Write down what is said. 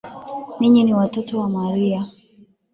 Nyinyi ni watoto wa Maria.